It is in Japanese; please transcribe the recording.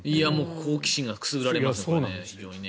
好奇心がくすぐられますよね。